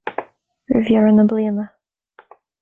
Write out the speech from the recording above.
Roimh dheireadh na bliana.